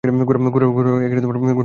গোরা কহিল, আমি হব।